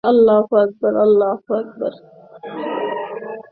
তাঁদের ফিরে আসার খবরে শহরে বিক্ষোভ মিছিল করে কওমি ওলামা পরিষদ।